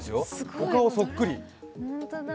お顔そっくり。